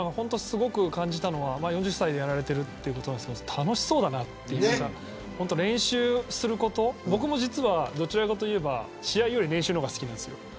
すごく感じたのは４０歳でやられてるっていうことなんですけど楽しそうだなっていうか練習すること僕も実はどちらかといえば試合より練習の方が好きなんですよ。